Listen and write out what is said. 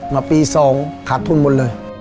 มาปี๒ขาดทุนหมดเลย